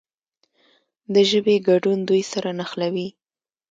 د ژبې ګډون دوی سره نښلوي.